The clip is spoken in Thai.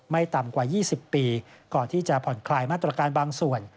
ต่ำกว่า๒๐ปีก่อนที่จะผ่อนคลายมาตรการบางส่วน